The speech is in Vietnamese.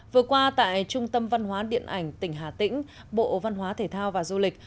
vừa qua tại trung tâm văn hóa điện ảnh tỉnh hà tĩnh bộ văn hóa thể thao và du lịch